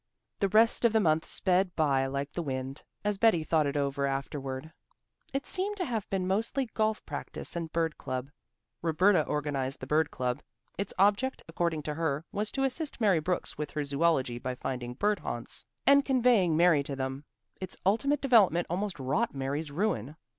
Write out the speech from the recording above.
The rest of the month sped by like the wind. As Betty thought it over afterward, it seemed to have been mostly golf practice and bird club. Roberta organized the bird club. Its object, according to her, was to assist Mary Brooks with her zoology by finding bird haunts and conveying Mary to them; its ultimate development almost wrought Mary's ruin.